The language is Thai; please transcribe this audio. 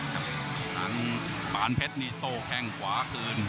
ครับทางป้านเพชรนี่โต้แค่งขวาเตือน